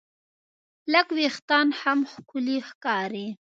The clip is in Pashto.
لږ وېښتيان هم ښکلي ښکاري.